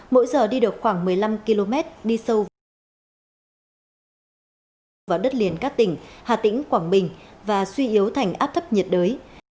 mỗi giờ đi được khoảng một mươi năm km đi sâu vào đất liền các tỉnh hà tĩnh quảng bình và suy yếu thành áp thấp nhiệt đới